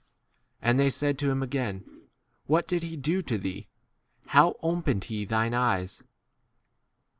And they said to him again,J What did he do to thee ? 2 ? how opened he thine eyes